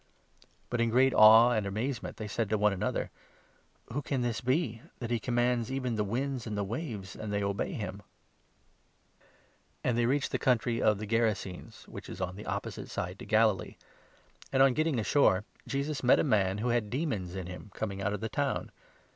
25 But in great awe and amazement they said to one another : "Who can this be, that he commands even the winds and the waves, and they obey him ?" cure of a And tney reached the country of the Gerasenes, . 26 Madman, which is on the opposite side to Galilee ; and, on 27 getting ashore, Jesus met a man, who had demons in him, coming out of the town.